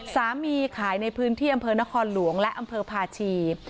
ขายในพื้นที่อำเภอนครหลวงและอำเภอภาชี